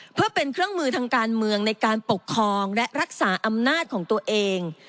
เพื่อเป็นเครื่องมือทางการเมืองในการปกครองและรักษาอำนาจของตัวเอง